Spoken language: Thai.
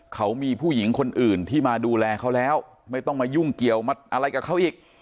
เขามีผู้หญิงคนอื่นที่มาดูแลเขาแล้วไม่ต้องมายุ่งเกี่ยวมาอะไรกับเขาอีก